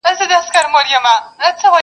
په قوم سلېمانخېل وو.